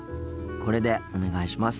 これでお願いします。